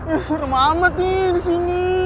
eh serem amat nih di sini